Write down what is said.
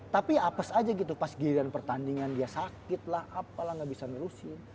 tapi apes aja gitu pas giliran pertandingan dia sakit lah apalah nggak bisa nerusin